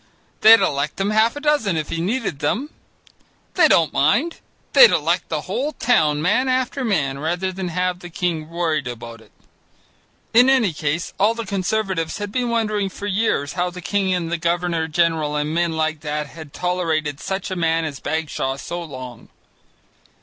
They'd elect him half a dozen if he needed them. They don't mind; they'd elect the whole town man after man rather than have the king worried about it. In any case, all the Conservatives had been wondering for years how the king and the governor general and men like that had tolerated such a man as Bagshaw so long.